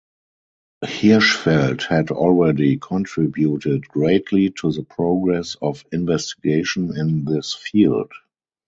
Hirschfeld had already contributed greatly to the progress of investigation in this field